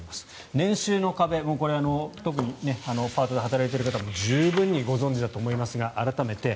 年収の壁特にパートで働いている方は十分にご存じだと思いますが改めて。